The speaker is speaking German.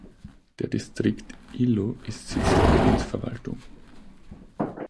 Der Distrikt Ilo ist Sitz der Provinzverwaltung.